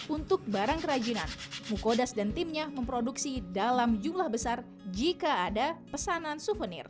untuk barang kerajinan mukodas dan timnya memproduksi dalam jumlah besar jika ada pesanan souvenir